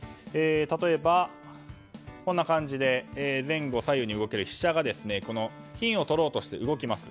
例えば、こんな感じで前後左右に動ける飛車が金を取ろうとして動きます。